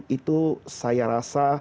itu saya rasa